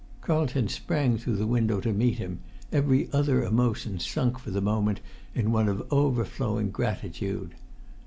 Carlton sprang through the window to meet him, every other emotion sunk for the moment in one of overflowing gratitude.